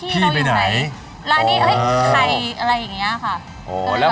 พี่เค้าอยู่ไหน